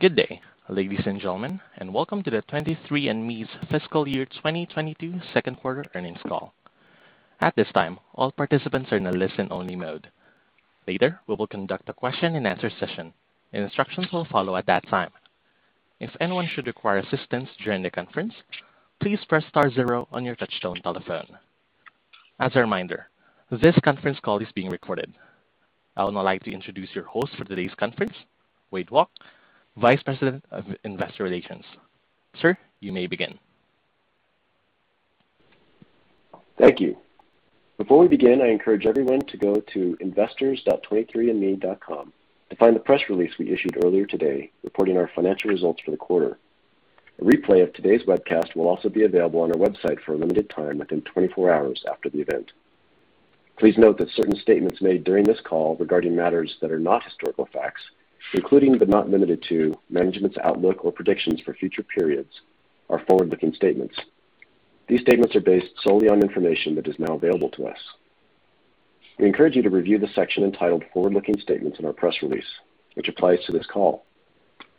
Good day, ladies and gentlemen, and welcome to the 23andMe's fiscal year 2022 second quarter earnings call. At this time, all participants are in a listen-only mode. Later, we will conduct a question and answer session. The instructions will follow at that time. If anyone should require assistance during the conference, please press star zero on your touchtone telephone. As a reminder, this conference call is being recorded. I would now like to introduce your host for today's conference, Wade Walke, Vice President of Investor Relations. Sir, you may begin. Thank you. Before we begin, I encourage everyone to go to investors.23andme.com to find the press release we issued earlier today, reporting our financial results for the quarter. A replay of today's webcast will also be available on our website for a limited time within 24 hours after the event. Please note that certain statements made during this call regarding matters that are not historical facts, including but not limited to management's outlook or predictions for future periods, are forward-looking statements. These statements are based solely on information that is now available to us. We encourage you to review the section entitled Forward-Looking Statements in our press release, which applies to this call.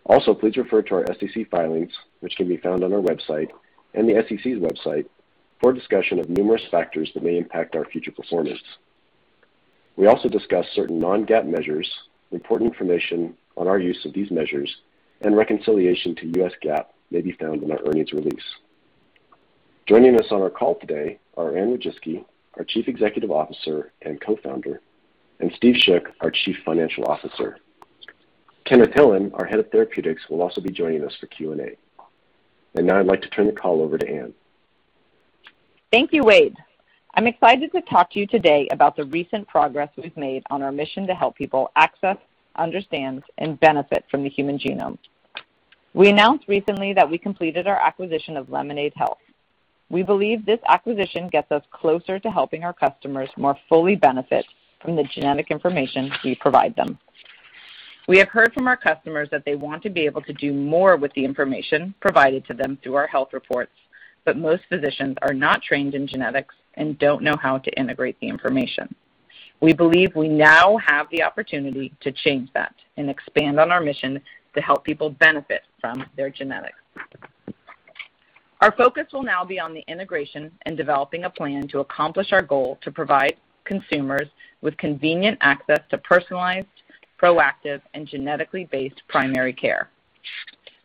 Also, please refer to our SEC filings, which can be found on our website and the SEC's website for a discussion of numerous factors that may impact our future performance. We also discuss certain non-GAAP measures. Important information on our use of these measures and reconciliation to U.S. GAAP may be found in our earnings release. Joining us on our call today are Anne Wojcicki, our Chief Executive Officer and Co-founder, and Steve Schoch, our Chief Financial Officer. Kenneth Hillan, our Head of Therapeutics, will also be joining us for Q&A. Now I'd like to turn the call over to Anne. Thank you, Wade. I'm excited to talk to you today about the recent progress we've made on our mission to help people access, understand, and benefit from the human genome. We announced recently that we completed our acquisition of Lemonaid Health. We believe this acquisition gets us closer to helping our customers more fully benefit from the genetic information we provide them. We have heard from our customers that they want to be able to do more with the information provided to them through our health reports, but most physicians are not trained in genetics and don't know how to integrate the information. We believe we now have the opportunity to change that and expand on our mission to help people benefit from their genetics. Our focus will now be on the integration and developing a plan to accomplish our goal to provide consumers with convenient access to personalized, proactive, and genetically based primary care.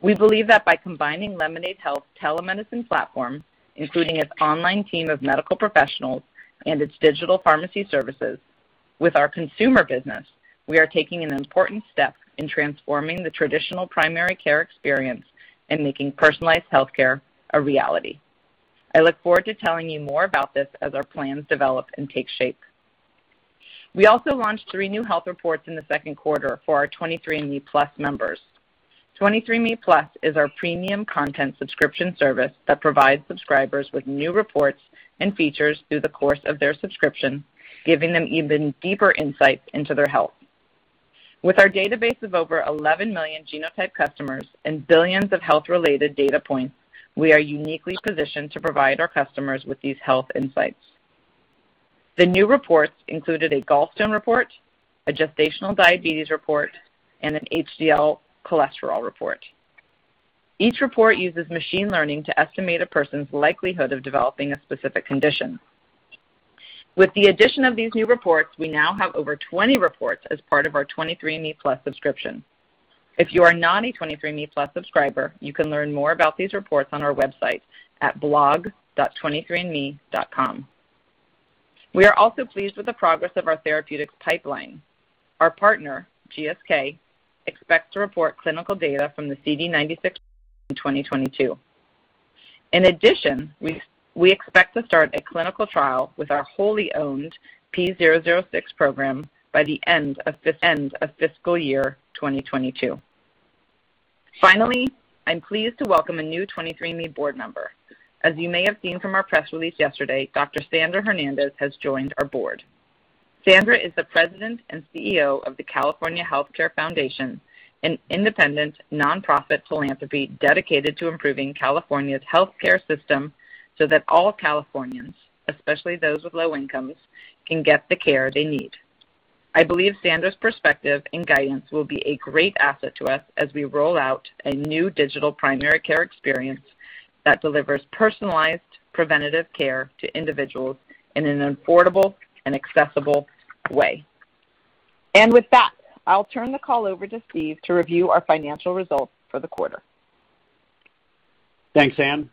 We believe that by combining Lemonaid Health telemedicine platform, including its online team of medical professionals and its digital pharmacy services with our consumer business, we are taking an important step in transforming the traditional primary care experience and making personalized healthcare a reality. I look forward to telling you more about this as our plans develop and take shape. We also launched three new health reports in the second quarter for our 23andMe+ members. 23andMe+ is our premium content subscription service that provides subscribers with new reports and features through the course of their subscription, giving them even deeper insights into their health. With our database of over 11 million genotyped customers and billions of health-related data points, we are uniquely positioned to provide our customers with these health insights. The new reports included a gallstone report, a gestational diabetes report, and an HDL cholesterol report. Each report uses machine learning to estimate a person's likelihood of developing a specific condition. With the addition of these new reports, we now have over 20 reports as part of our 23andMe+ subscription. If you are not a 23andMe+ subscriber, you can learn more about these reports on our website at blog.23andme.com. We are also pleased with the progress of our therapeutics pipeline. Our partner, GSK, expects to report clinical data from the CD96 in 2022. In addition, we expect to start a clinical trial with our wholly owned P006 program by the end of this fiscal year 2022. Finally, I'm pleased to welcome a new 23andMe board member. As you may have seen from our press release yesterday, Dr. Sandra Hernández has joined our board. Sandra is the President and CEO of the California Health Care Foundation, an independent, nonprofit philanthropy dedicated to improving California's healthcare system so that all Californians, especially those with low incomes, can get the care they need. I believe Sandra's perspective and guidance will be a great asset to us as we roll out a new digital primary care experience that delivers personalized preventative care to individuals in an affordable and accessible way. With that, I'll turn the call over to Steve to review our financial results for the quarter. Thanks, Anne.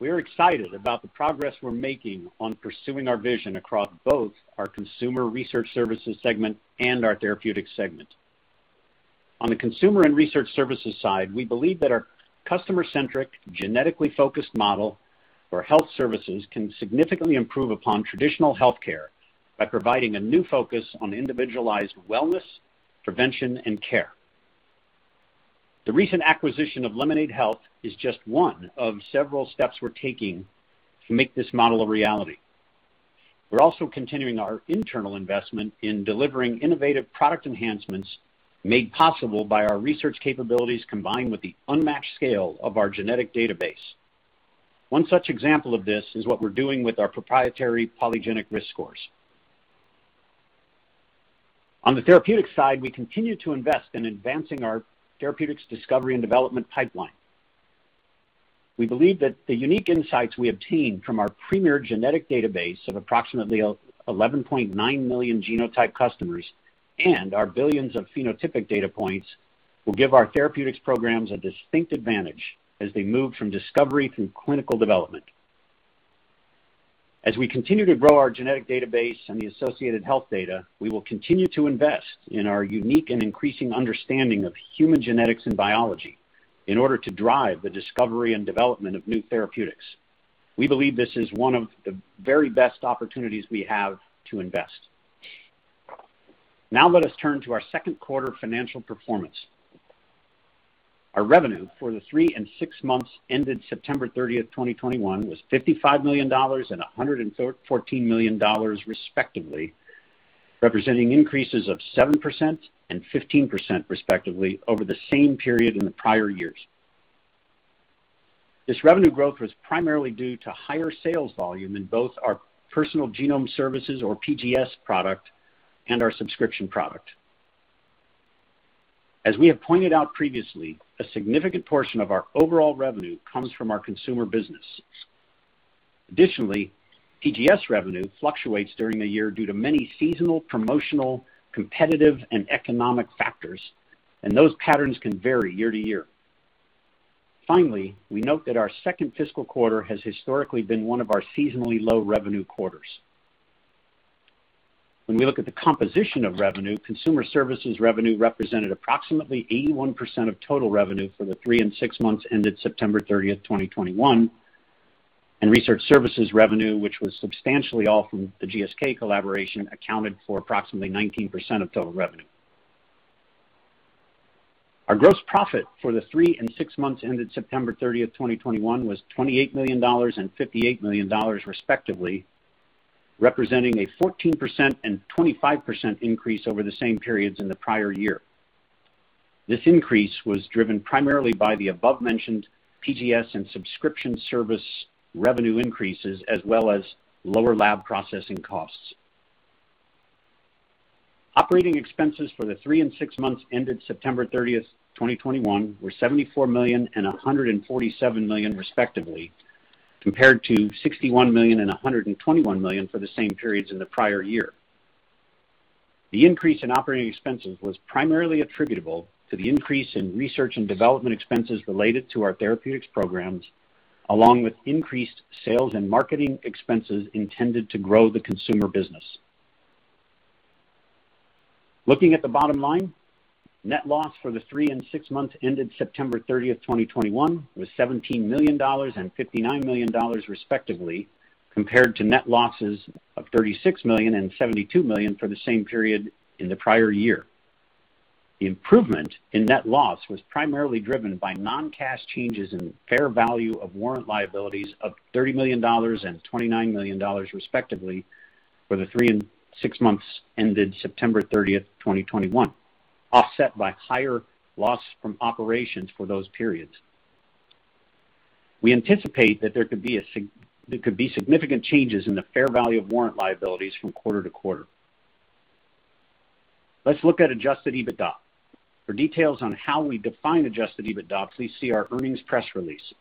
We are excited about the progress we're making on pursuing our vision across both our Consumer Research Services segment and our Therapeutics segment. On the Consumer and Research Services side, we believe that our customer-centric, genetically focused model for health services can significantly improve upon traditional healthcare by providing a new focus on individualized wellness, prevention, and care. The recent acquisition of Lemonaid Health is just one of several steps we're taking to make this model a reality. We're also continuing our internal investment in delivering innovative product enhancements made possible by our research capabilities, combined with the unmatched scale of our genetic database. One such example of this is what we're doing with our proprietary polygenic risk scores. On the therapeutics side, we continue to invest in advancing our therapeutics discovery and development pipeline. We believe that the unique insights we obtain from our premier genetic database of approximately 11.9 million genotype customers and our billions of phenotypic data points will give our therapeutics programs a distinct advantage as they move from discovery through clinical development. As we continue to grow our genetic database and the associated health data, we will continue to invest in our unique and increasing understanding of human genetics and biology in order to drive the discovery and development of new therapeutics. We believe this is one of the very best opportunities we have to invest. Now let us turn to our second quarter financial performance. Our revenue for the three and six months ended September 30, 2021 was $55 million and $114 million, respectively, representing increases of 7% and 15%, respectively, over the same period in the prior years. This revenue growth was primarily due to higher sales volume in both our personal genome services or PGS product and our subscription product. As we have pointed out previously, a significant portion of our overall revenue comes from our consumer business. Additionally, PGS revenue fluctuates during the year due to many seasonal, promotional, competitive, and economic factors, and those patterns can vary year to year. Finally, we note that our second fiscal quarter has historically been one of our seasonally low revenue quarters. When we look at the composition of revenue, consumer services revenue represented approximately 81% of total revenue for the three and six months ended September 30, 2021, and research services revenue, which was substantially all from the GSK collaboration, accounted for approximately 19% of total revenue. Our gross profit for the three and six months ended September 30, 2021 was $28 million and $58 million, respectively, representing a 14% and 25% increase over the same periods in the prior year. This increase was driven primarily by the above-mentioned PGS and subscription service revenue increases as well as lower lab processing costs. Operating expenses for the three and six months ended September 30, 2021 were $74 million and $147 million, respectively, compared to $61 million and $121 million for the same periods in the prior year. The increase in operating expenses was primarily attributable to the increase in research and development expenses related to our therapeutics programs along with increased sales and marketing expenses intended to grow the consumer business. Looking at the bottom line, net loss for the three and six months ended September 30, 2021 was $17 million and $59 million, respectively, compared to net losses of $36 million and $72 million for the same period in the prior year. The improvement in net loss was primarily driven by non-cash changes in fair value of warrant liabilities of $30 million and $29 million, respectively, for the three and six months ended September 30, 2021, offset by higher loss from operations for those periods. We anticipate that there could be significant changes in the fair value of warrant liabilities from quarter to quarter. Let's look at Adjusted EBITDA. For details on how we define Adjusted EBITDA, please see our earnings press release.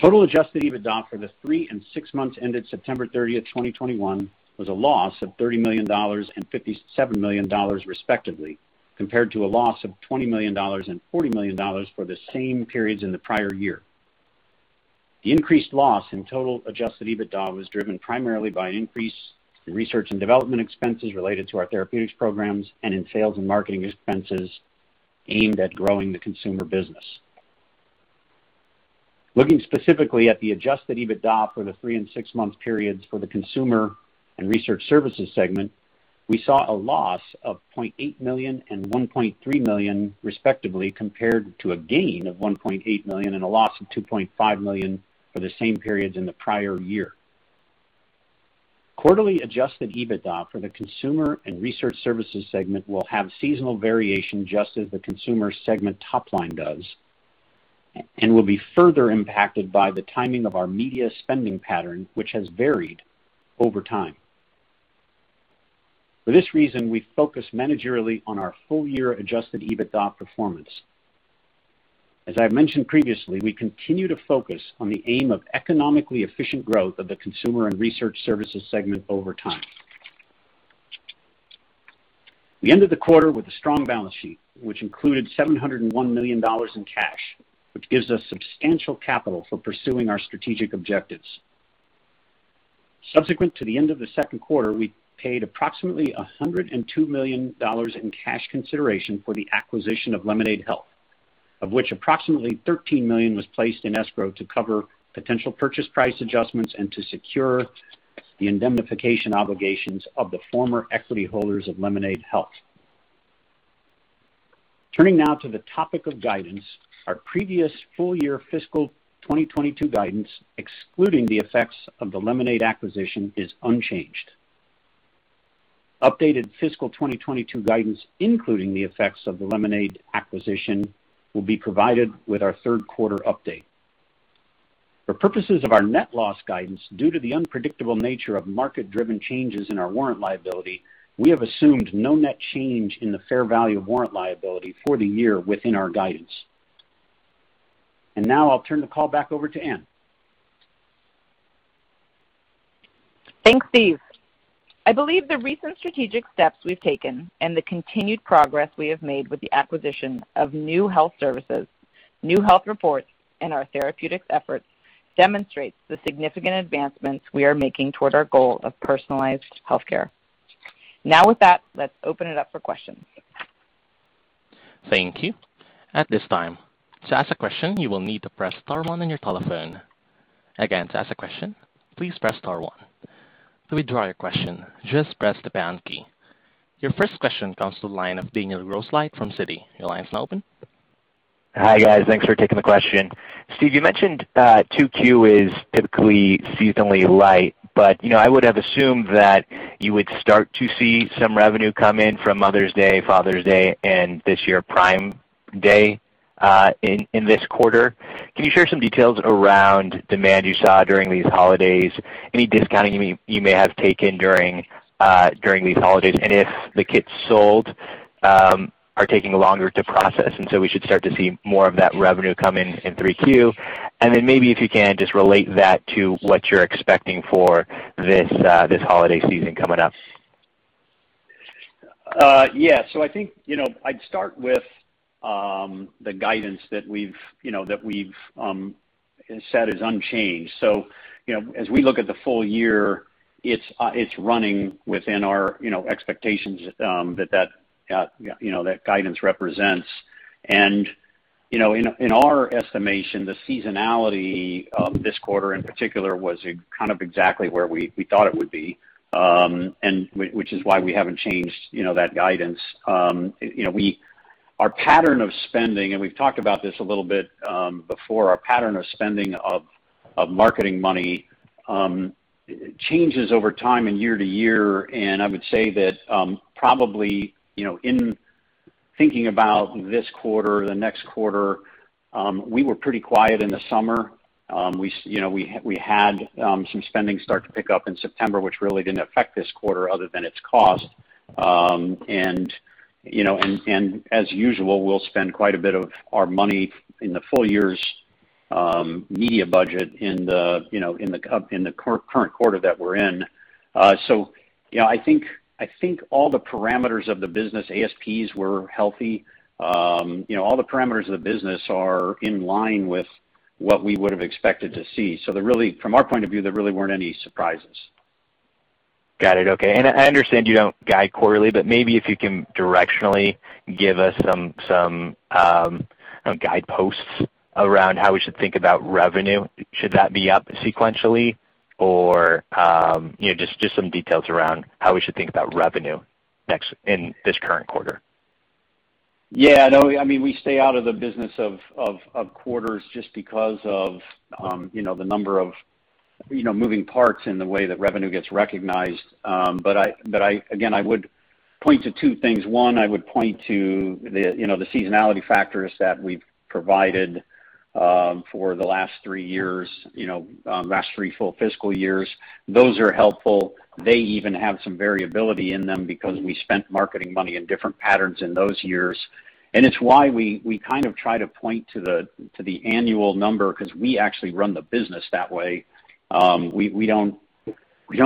Total Adjusted EBITDA for the three and six months ended September 30, 2021, was a loss of $30 million and $57 million, respectively, compared to a loss of $20 million and $40 million for the same periods in the prior year. The increased loss in total Adjusted EBITDA was driven primarily by an increase in research and development expenses related to our therapeutics programs and in sales and marketing expenses aimed at growing the consumer business. Looking specifically at the Adjusted EBITDA for the three and six month periods for the Consumer and Research Services segment, we saw a loss of $0.8 million and $1.3 million, respectively, compared to a gain of $1.8 million and a loss of $2.5 million for the same periods in the prior year. Quarterly Adjusted EBITDA for the Consumer and Research Services segment will have seasonal variation just as the Consumer segment top line does and will be further impacted by the timing of our media spending pattern, which has varied over time. For this reason, we focus managerially on our full-year Adjusted EBITDA performance. As I mentioned previously, we continue to focus on the aim of economically efficient growth of the Consumer and Research Services segment over time. We ended the quarter with a strong balance sheet, which included $701 million in cash, which gives us substantial capital for pursuing our strategic objectives. Subsequent to the end of the second quarter, we paid approximately $102 million in cash consideration for the acquisition of Lemonaid Health, of which approximately $13 million was placed in escrow to cover potential purchase price adjustments and to secure the indemnification obligations of the former equity holders of Lemonaid Health. Turning now to the topic of guidance. Our previous full-year fiscal 2022 guidance, excluding the effects of the Lemonaid acquisition, is unchanged. Updated fiscal 2022 guidance, including the effects of the Lemonaid acquisition, will be provided with our third quarter update. For purposes of our net loss guidance, due to the unpredictable nature of market-driven changes in our warrant liability, we have assumed no net change in the fair value of warrant liability for the year within our guidance. Now I'll turn the call back over to Anne. Thanks, Steve. I believe the recent strategic steps we've taken and the continued progress we have made with the acquisition of new health services, new health reports, and our therapeutics efforts demonstrates the significant advancements we are making toward our goal of personalized health care. Now, with that, let's open it up for questions. Thank you. At this time, to ask a question, you will need to press star one on your telephone. Again, to ask a question, please press star one. To withdraw your question, just press the pound key. Your first question comes to the line of Daniel Grosslight from Citi. Your line is now open. Hi, guys. Thanks for taking the question. Steve, you mentioned 2Q is typically seasonally light, but I would have assumed that you would start to see some revenue come in from Mother's Day, Father's Day, and this year, Prime Day, in this quarter. Can you share some details around demand you saw during these holidays? Any discounting you may have taken during these holidays? If the kits sold are taking longer to process, and so we should start to see more of that revenue come in in 3Q. Maybe if you can, just relate that to what you're expecting for this holiday season coming up. Yeah. I think, you know, I'd start with the guidance that we've set as unchanged. You know, as we look at the full year, it's running within our, you know, expectations that that guidance represents. You know, in our estimation, the seasonality of this quarter, in particular, was kind of exactly where we thought it would be, and which is why we haven't changed, you know, that guidance. You know, our pattern of spending, and we've talked about this a little bit, before, our pattern of spending of marketing money, changes over time and year to year. I would say that, probably, you know, in thinking about this quarter, the next quarter, we were pretty quiet in the summer. You know, we had some spending start to pick up in September, which really didn't affect this quarter other than its cost. You know, and as usual, we'll spend quite a bit of our money in the full year's media budget in the, you know, in the current quarter that we're in. You know, I think all the parameters of the business ASPs were healthy. You know, all the parameters of the business are in line with what we would have expected to see. There really weren't any surprises. From our point of view, there really weren't any surprises. Got it. Okay. I understand you don't guide quarterly, but maybe if you can directionally give us some guideposts around how we should think about revenue. Should that be up sequentially or, you know, just some details around how we should think about revenue next in this current quarter. Yeah, no. I mean, we stay out of the business of quarters just because of, you know, the number of, you know, moving parts in the way that revenue gets recognized. Again, I would point to two things. One, I would point to the, you know, the seasonality factors that we've provided for the last three years, you know, last three full fiscal years. Those are helpful. They even have some variability in them because we spent marketing money in different patterns in those years. It's why we kind of try to point to the annual number 'cause we actually run the business that way. We don't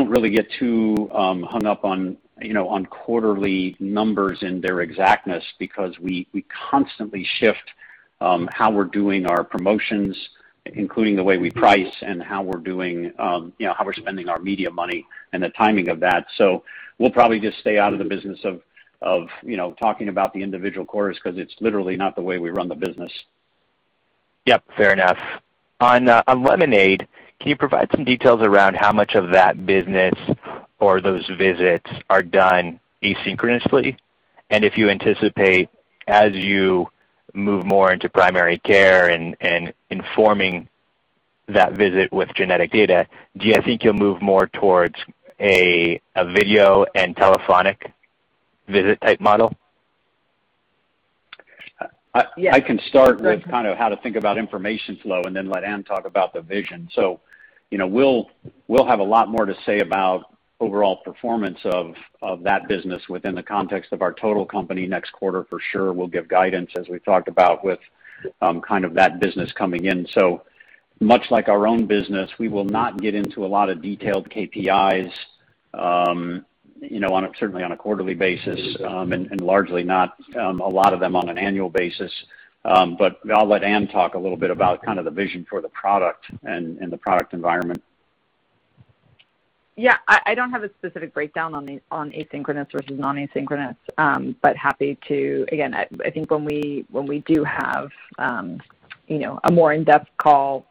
really get too hung up on, you know, on quarterly numbers and their exactness because we constantly shift how we're doing our promotions, including the way we price and how we're doing, you know, how we're spending our media money and the timing of that. So we'll probably just stay out of the business of, you know, talking about the individual quarters 'cause it's literally not the way we run the business. Yep, fair enough. On, on Lemonaid, can you provide some details around how much of that business or those visits are done asynchronously? If you anticipate, as you move more into primary care and informing that visit with genetic data, do you think you'll move more towards a video and telephonic visit type model? I can start with kind of how to think about information flow and then let Anne talk about the vision. You know, we'll have a lot more to say about overall performance of that business within the context of our total company next quarter, for sure. We'll give guidance, as we've talked about, with kind of that business coming in. Much like our own business, we will not get into a lot of detailed KPIs, you know, certainly on a quarterly basis, and largely not a lot of them on an annual basis. I'll let Anne talk a little bit about kind of the vision for the product and the product environment. Yeah. I don't have a specific breakdown on asynchronous versus non-asynchronous, but happy to. Again, I think when we do have, you know, a more in-depth call,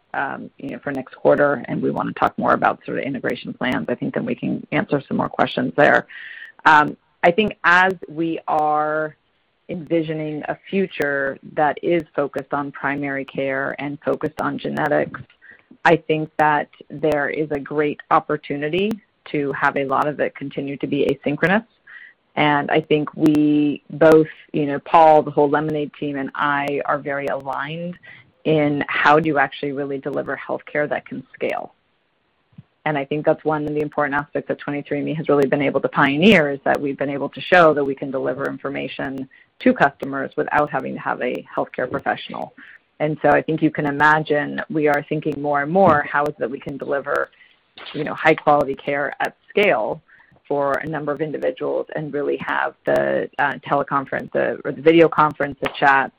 you know, for next quarter and we wanna talk more about sort of integration plans, I think then we can answer some more questions there. I think as we are envisioning a future that is focused on primary care and focused on genetics, I think that there is a great opportunity to have a lot of it continue to be asynchronous. I think we both, you know, Paul, the whole Lemonaid team and I are very aligned in how do you actually really deliver healthcare that can scale. I think that's one of the important aspects that 23andMe has really been able to pioneer, is that we've been able to show that we can deliver information to customers without having to have a healthcare professional. I think you can imagine we are thinking more and more how is it we can deliver, you know, high quality care at scale for a number of individuals and really have the, teleconference, or the video conference, the chats,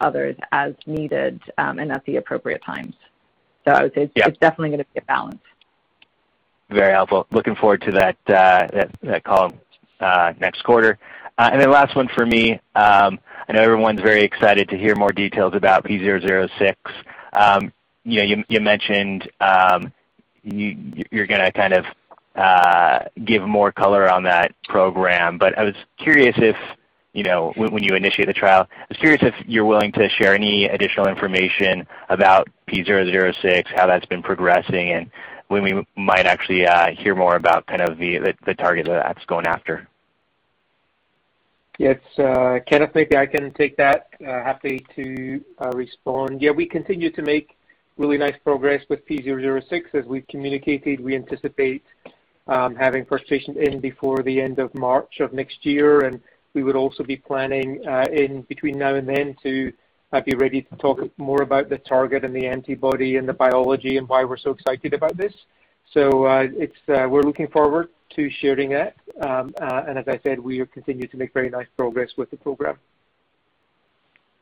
others as needed, and at the appropriate times. I would say it's- Yeah. Definitely gonna be a balance. Very helpful. Looking forward to that call next quarter. Last one for me. I know everyone's very excited to hear more details about P006. You know, you mentioned you're gonna kind of give more color on that program, but I was curious if, you know, when you initiate the trial, I was curious if you're willing to share any additional information about P006, how that's been progressing, and when we might actually hear more about kind of the target that that's going after. Yes, Kenneth, maybe I can take that. Happy to respond. Yeah, we continue to make really nice progress with P006. As we've communicated, we anticipate having first patient in before the end of March of next year, and we would also be planning in between now and then to be ready to talk more about the target and the antibody and the biology and why we're so excited about this. We're looking forward to sharing that. As I said, we have continued to make very nice progress with the program.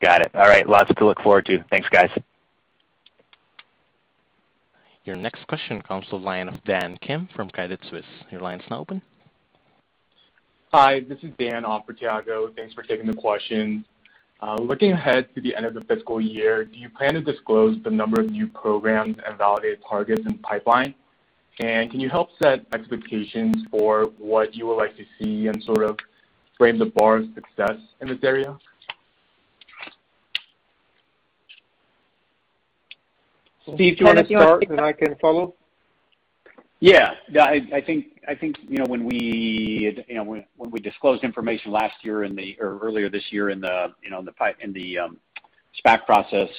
Got it. All right. Lots to look forward to. Thanks, guys. Your next question comes from the line of Dan Kim from Credit Suisse. Your line is now open. Hi, this is Dan on for Tiago, thanks for taking the questions. Looking ahead to the end of the fiscal year, do you plan to disclose the number of new programs and validated targets in pipeline? Can you help set expectations for what you would like to see and sort of frame the bar of success in this area? Steve, do you wanna start and I can follow? Yeah. I think, you know, when we disclosed information last year or earlier this year in the SPAC process,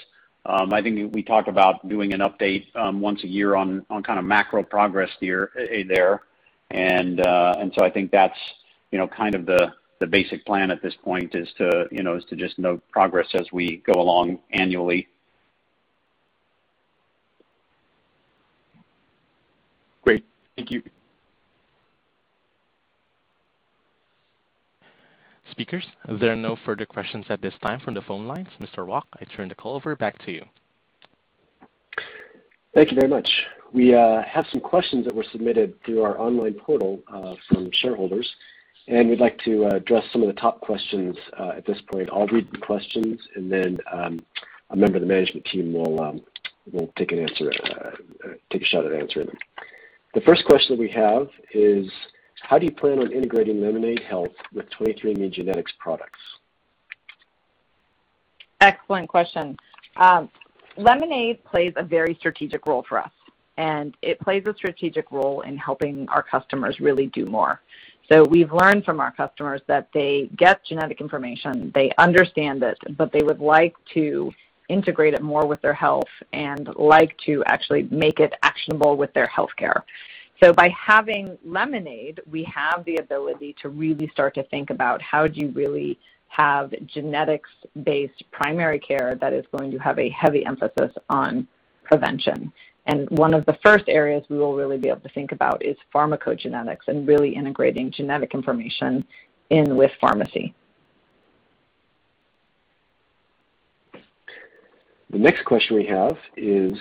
I think we talked about doing an update once a year on kind of macro progress here, there. So I think that's, you know, kind of the basic plan at this point is to just note progress as we go along annually. Great. Thank you. Speakers, there are no further questions at this time from the phone lines. Mr. Walke, I turn the call over back to you. Thank you very much. We have some questions that were submitted through our online portal from shareholders, and we'd like to address some of the top questions at this point. I'll read the questions and then a member of the management team will take a shot at answering them. The first question we have is, how do you plan on integrating Lemonaid Health with 23andMe genetics products? Excellent question. Lemonaid plays a very strategic role for us, and it plays a strategic role in helping our customers really do more. We've learned from our customers that they get genetic information, they understand it, but they would like to integrate it more with their health and like to actually make it actionable with their healthcare. By having Lemonaid, we have the ability to really start to think about how do you really have genetics-based primary care that is going to have a heavy emphasis on prevention. One of the first areas we will really be able to think about is pharmacogenetics and really integrating genetic information in with pharmacy. The next question we have is,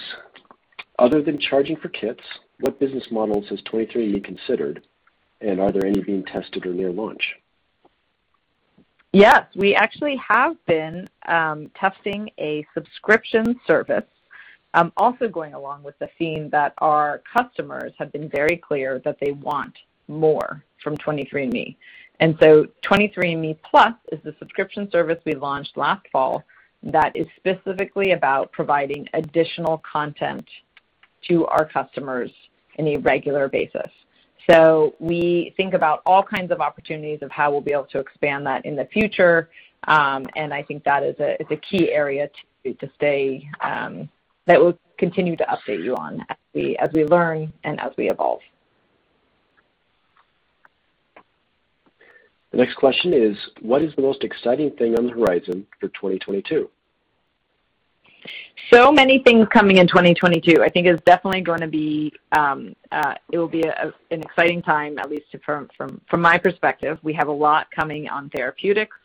other than charging for kits, what business models has 23andMe considered, and are there any being tested or near launch? Yes. We actually have been testing a subscription service, also going along with the theme that our customers have been very clear that they want more from 23andMe. 23andMe+ is the subscription service we launched last fall that is specifically about providing additional content to our customers on a regular basis. We think about all kinds of opportunities of how we'll be able to expand that in the future, and I think that is a key area to stay that we'll continue to update you on as we learn and as we evolve. The next question is, what is the most exciting thing on the horizon for 2022? Many things coming in 2022. I think it's definitely gonna be an exciting time, at least from my perspective. We have a lot coming on therapeutics.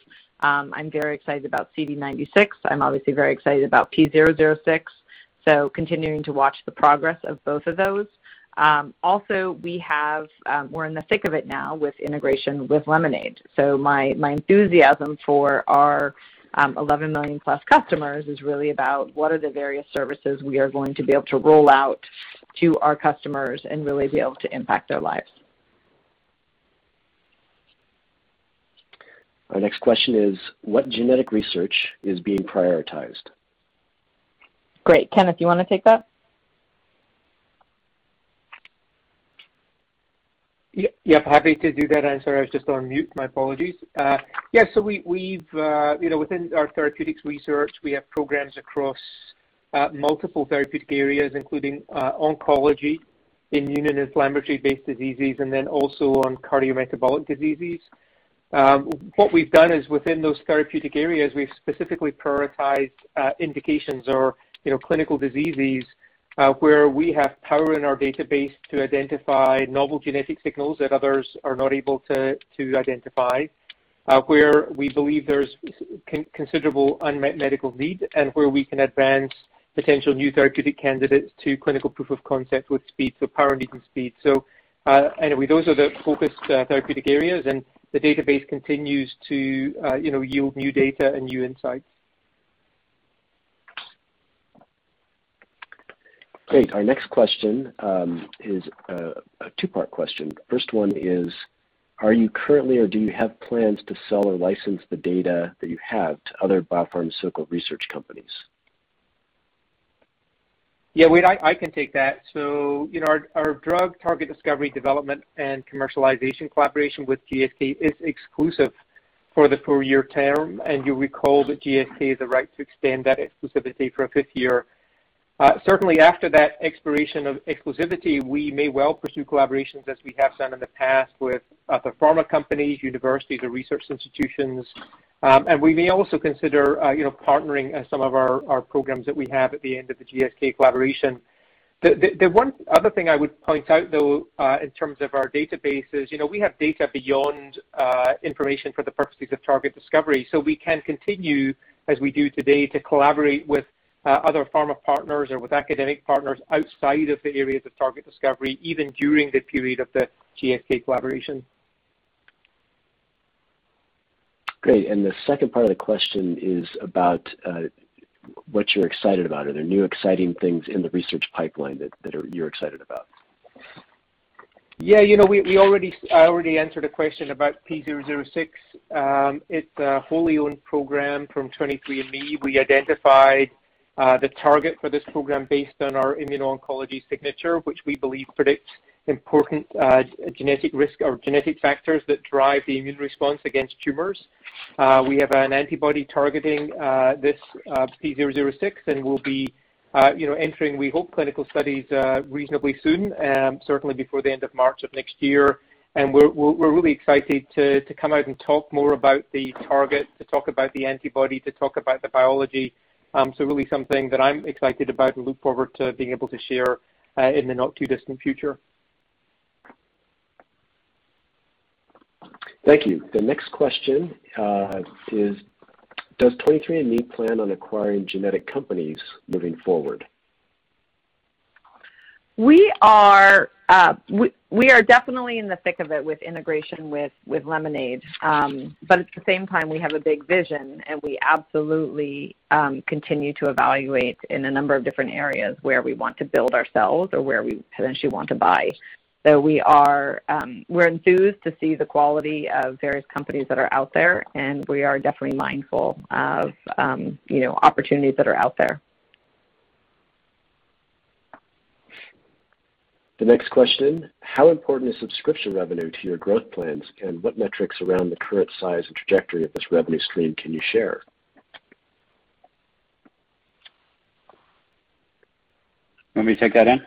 I'm very excited about CD96. I'm obviously very excited about P006, so continuing to watch the progress of both of those. We're in the thick of it now with integration with Lemonaid. My enthusiasm for our 11 million+ customers is really about what are the various services we are going to be able to roll out to our customers and really be able to impact their lives. Our next question is what genetic research is being prioritized? Great. Kenneth, you want to take that? Yeah, happy to do that. I'm sorry, I was just on mute. My apologies. Within our therapeutics research, we have programs across multiple therapeutic areas, including oncology, immune and inflammatory-based diseases, and then also on cardiometabolic diseases. What we've done is within those therapeutic areas, we've specifically prioritized indications or, you know, clinical diseases where we have power in our database to identify novel genetic signals that others are not able to identify, where we believe there's considerable unmet medical needs and where we can advance potential new therapeutic candidates to clinical proof of concept with speed. Power, need, and speed. Anyway, those are the focused therapeutic areas, and the database continues to, you know, yield new data and new insights. Great. Our next question is a two-part question. First one is, are you currently or do you have plans to sell or license the data that you have to other biopharmaceutical research companies? Yeah, Wade, I can take that. You know, our drug target discovery development and commercialization collaboration with GSK is exclusive for the four-year term. You'll recall that GSK has the right to extend that exclusivity for a fifth year. Certainly after that expiration of exclusivity, we may well pursue collaborations as we have done in the past with other pharma companies, universities or research institutions. We may also consider you know, partnering some of our programs that we have at the end of the GSK collaboration. The one other thing I would point out, though, in terms of our databases, you know, we have data beyond information for the purposes of target discovery. We can continue, as we do today, to collaborate with other pharma partners or with academic partners outside of the areas of target discovery, even during the period of the GSK collaboration. Great. The second part of the question is about what you're excited about. Are there new exciting things in the research pipeline that you're excited about? Yeah, you know, I already answered a question about P006. It's a wholly owned program from 23andMe. We identified the target for this program based on our immuno-oncology signature, which we believe predicts important genetic risk or genetic factors that drive the immune response against tumors. We have an antibody targeting this P006, and we'll be, you know, entering, we hope, clinical studies reasonably soon, certainly before the end of March of next year. We're really excited to come out and talk more about the target, to talk about the antibody, to talk about the biology. So really something that I'm excited about and look forward to being able to share in the not too distant future. Thank you. The next question is, does 23andMe plan on acquiring genetic companies moving forward? We are definitely in the thick of it with integration with Lemonaid. At the same time we have a big vision, and we absolutely continue to evaluate in a number of different areas where we want to build ourselves or where we potentially want to buy. We are enthused to see the quality of various companies that are out there, and we are definitely mindful of, you know, opportunities that are out there. The next question, how important is subscription revenue to your growth plans, and what metrics around the current size and trajectory of this revenue stream can you share? You want me to take that, Anne?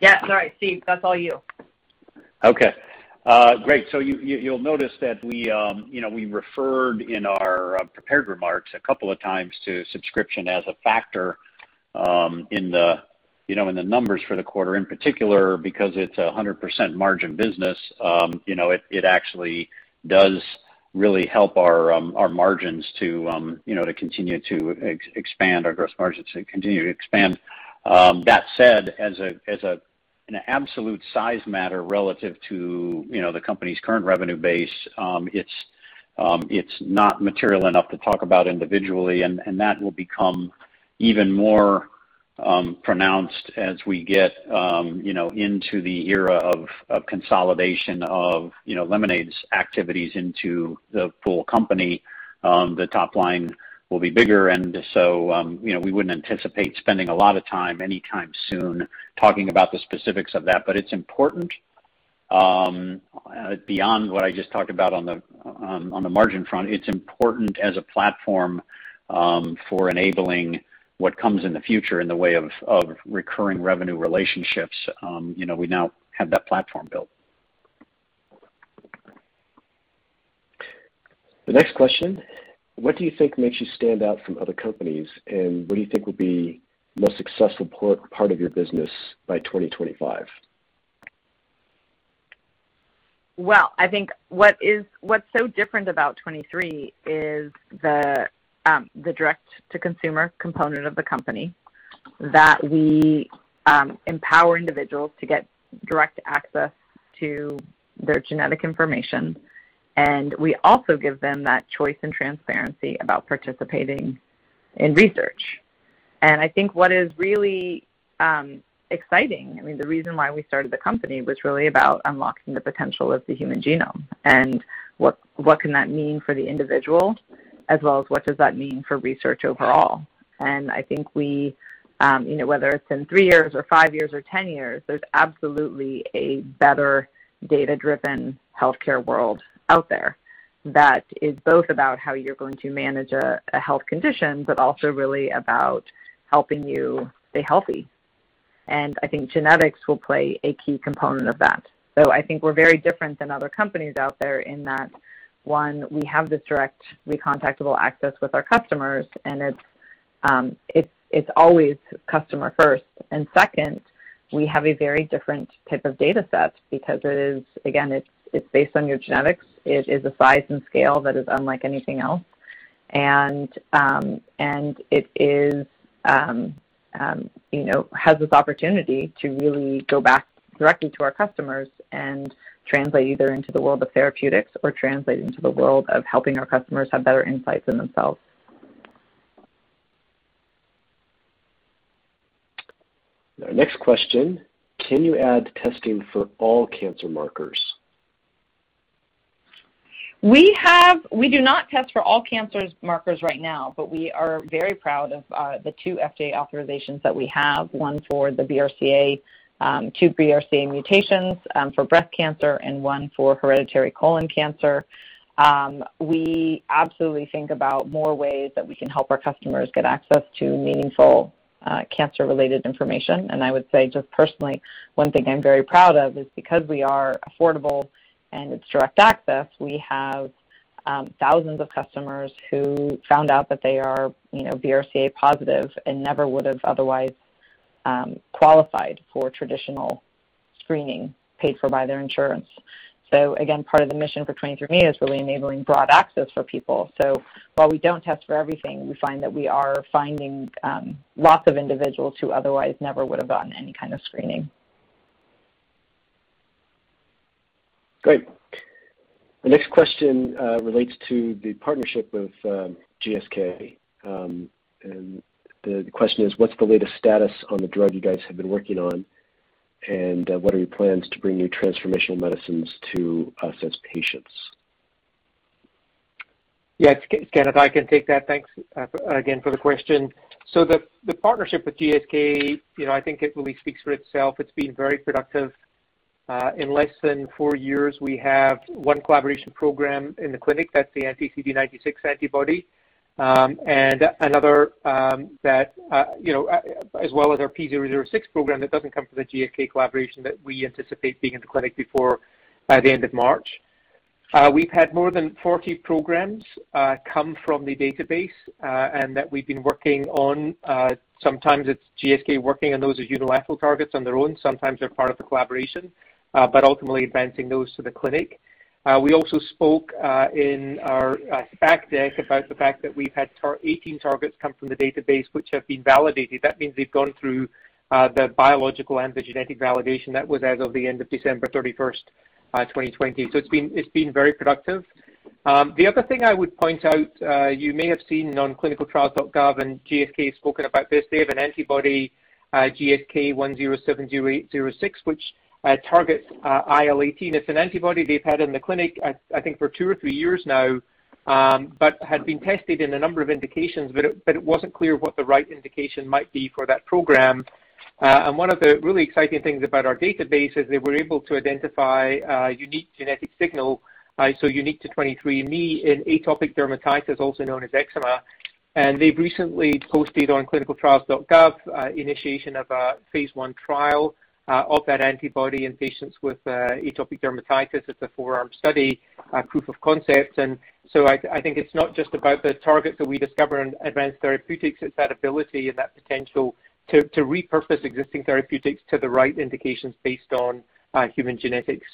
Yeah, sorry, Steve, that's all you. Okay. Great. You'll notice that you know, we referred in our prepared remarks a couple of times to subscription as a factor, you know, in the numbers for the quarter in particular because it's a 100% margin business. You know, it actually does really help our margins you know, to continue to expand our gross margins to continue to expand. That said, as an absolute size matter relative to, you know, the company's current revenue base, it's not material enough to talk about individually. That will become even more pronounced as we get you know, into the era of consolidation of you know, Lemonaid's activities into the full company. The top line will be bigger and so, you know, we wouldn't anticipate spending a lot of time anytime soon talking about the specifics of that. It's important, beyond what I just talked about on the margin front. It's important as a platform for enabling what comes in the future in the way of recurring revenue relationships. You know, we now have that platform built. The next question, what do you think makes you stand out from other companies, and what do you think will be the most successful part of your business by 2025? Well, I think what's so different about 23 is the direct-to-consumer component of the company, that we empower individuals to get direct access to their genetic information. We also give them that choice and transparency about participating in research. I think what is really exciting, I mean the reason why we started the company was really about unlocking the potential of the human genome and what can that mean for the individual as well as what does that mean for research overall. I think, you know, whether it's in three years or five years or 10 years, there's absolutely a better data-driven healthcare world out there that is both about how you're going to manage a health condition, but also really about helping you stay healthy. I think genetics will play a key component of that. I think we're very different than other companies out there in that, one, we have this direct recontactable access with our customers, and it's always customer first. Second, we have a very different type of data set because it is again, it's based on your genetics. It is a size and scale that is unlike anything else. It is, you know, has this opportunity to really go back directly to our customers and translate either into the world of therapeutics or translate into the world of helping our customers have better insights in themselves. Our next question, can you add testing for all cancer markers? We do not test for all cancer markers right now, but we are very proud of the two FDA authorizations that we have, one for the BRCA two BRCA mutations for breast cancer and one for hereditary colon cancer. We absolutely think about more ways that we can help our customers get access to meaningful cancer-related information. I would say just personally, one thing I'm very proud of is because we are affordable and it's direct access, we have thousands of customers who found out that they are you know BRCA positive and never would have otherwise qualified for traditional screening paid for by their insurance. Again, part of the mission for 23andMe is really enabling broad access for people. While we don't test for everything, we find that we are finding lots of individuals who otherwise never would have gotten any kind of screening. Great. The next question relates to the partnership with GSK. The question is, what's the latest status on the drug you guys have been working on? What are your plans to bring new transformational medicines to us as patients? Yes, Kenneth, I can take that. Thanks again for the question. The partnership with GSK, you know, I think it really speaks for itself. It's been very productive. In less than four years, we have one collaboration program in the clinic. That's the anti-CD96 antibody and another, you know, as well as our P006 program that doesn't come from the GSK collaboration that we anticipate being in the clinic by the end of March. We've had more than 40 programs come from the database and that we've been working on. Sometimes it's GSK working on those as unilateral targets on their own. Sometimes they're part of the collaboration, but ultimately advancing those to the clinic. We also spoke in our fact deck about the fact that we've had 18 targets come from the database, which have been validated. That means they've gone through the biological and the genetic validation. That was as of the end of December 31st, 2020. It's been very productive. The other thing I would point out, you may have seen on clinicaltrials.gov, and GSK spoken about this. They have an antibody, GSK1070806, which targets IL-18. It's an antibody they've had in the clinic I think for two or three years now, but had been tested in a number of indications, but it wasn't clear what the right indication might be for that program. One of the really exciting things about our database is that we're able to identify a unique genetic signal, so unique to 23andMe in atopic dermatitis, also known as eczema. They've recently posted on clinicaltrials.gov initiation of a phase I trial of that antibody in patients with atopic dermatitis. It's a forearm study, proof of concept. I think it's not just about the targets that we discover in advanced therapeutics. It's that ability and that potential to repurpose existing therapeutics to the right indications based on human genetics.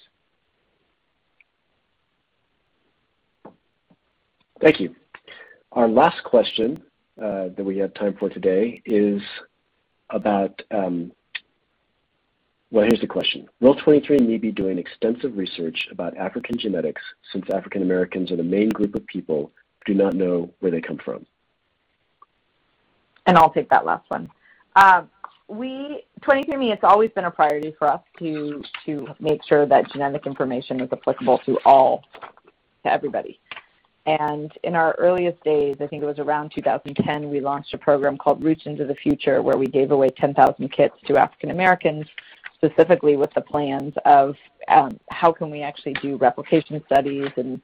Thank you. Our last question that we have time for today is about, well, here's the question. Will 23andMe be doing extensive research about African genetics since African Americans are the main group of people who do not know where they come from? I'll take that last one. 23andMe, it's always been a priority for us to make sure that genetic information is applicable to all, to everybody. In our earliest days, I think it was around 2010, we launched a program called Roots into the Future, where we gave away 10,000 kits to African Americans, specifically with the plans of how can we actually do replication studies and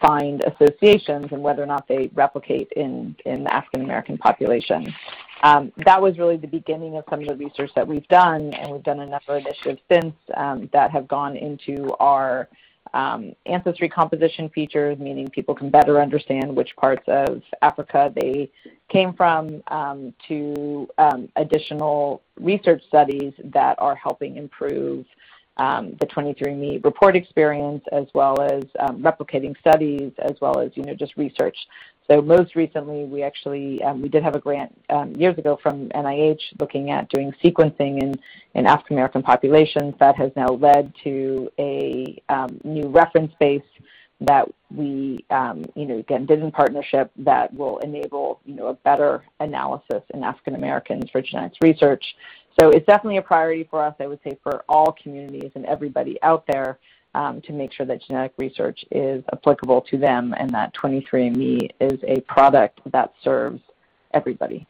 find associations and whether or not they replicate in African-American populations. That was really the beginning of some of the research that we've done, and we've done a number of initiatives since that have gone into our ancestry composition features, meaning people can better understand which parts of Africa they came from to additional research studies that are helping improve the 23andMe report experience as well as replicating studies as well as, you know, just research. Most recently we actually did have a grant years ago from NIH looking at doing sequencing in African-American populations. That has now led to a new reference base that we, you know, again, did in partnership that will enable, you know, a better analysis in African Americans for genetics research. It's definitely a priority for us, I would say, for all communities and everybody out there, to make sure that genetic research is applicable to them and that 23andMe is a product that serves everybody.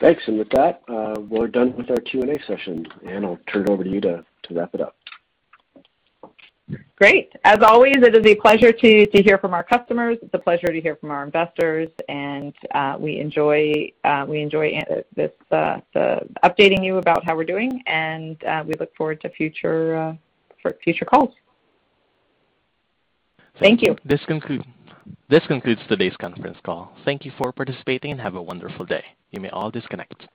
Thanks. With that, we're done with our Q&A session, and I'll turn it over to you to wrap it up. Great. As always, it is a pleasure to hear from our customers. It's a pleasure to hear from our investors and we enjoy updating you about how we're doing and we look forward to future calls. Thank you. This concludes today's conference call. Thank you for participating and have a wonderful day. You may all disconnect.